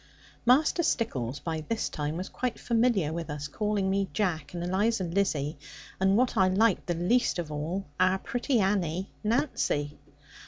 Master Stickles, by this time, was quite familiar with us, calling me 'Jack,' and Eliza 'Lizzie,' and what I liked the least of all, our pretty Annie 'Nancy.'